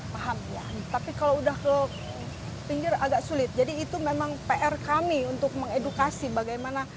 paham ya tapi kalau udah ke pinggir agak sulit jadi itu memang pr kami untuk mengedukasi bagaimana